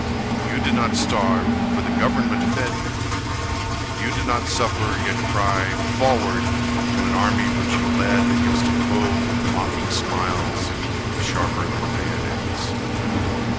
You did not starve, for the government fed you. You did not suffer yet cry "forward" To an army which you led Against a foe with mocking smiles, Sharper than bayonets.